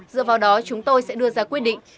dựa vào đó chúng tôi sẽ đưa ra quyết định